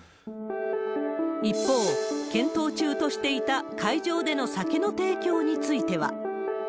一方、検討中としていた会場での酒の提供については。